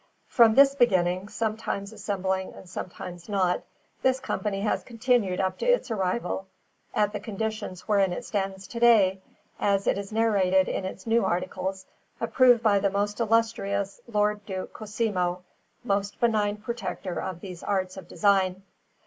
From this beginning, sometimes assembling and sometimes not, this Company has continued up to its arrival at the condition wherein it stands to day, as it is narrated in its new articles, approved by the most Illustrious Lord Duke Cosimo, most benign protector of these arts of design.